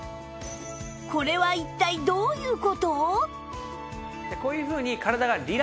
これは一体どういう事？